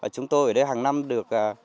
chúng tôi ở đây hàng năm được